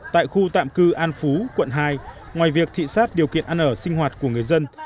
tại khu tạm cư an phú quận hai ngoài việc thị sát điều kiện ăn ở sinh hoạt của người dân